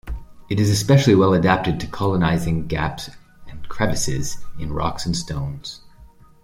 It is especially well adapted to colonising gaps and crevices in rocks and stones.